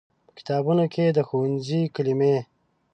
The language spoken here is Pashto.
په کتابونو کې د ښوونځي کلمې